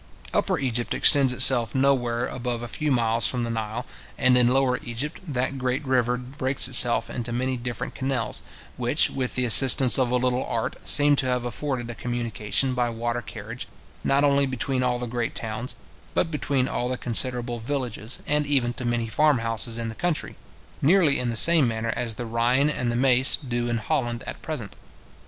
Upper Egypt extends itself nowhere above a few miles from the Nile; and in Lower Egypt, that great river breaks itself into many different canals, which, with the assistance of a little art, seem to have afforded a communication by water carriage, not only between all the great towns, but between all the considerable villages, and even to many farm houses in the country, nearly in the same manner as the Rhine and the Maese do in Holland at present.